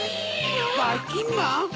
ばいきんまん？